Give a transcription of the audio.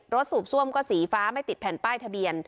สูบซ่วมก็สีฟ้าไม่ติดแผ่นป้ายทะเบียน